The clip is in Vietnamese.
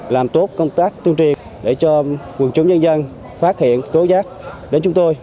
làm tốt công tác tiêu triền để cho quần chúng dân dân phát hiện tối giác đến chúng tôi